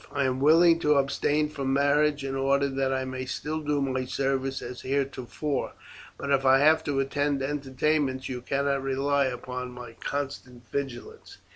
I am willing to abstain from marriage in order that I may still do my service as heretofore; but if I have to attend entertainments, you cannot rely upon my constant vigilance.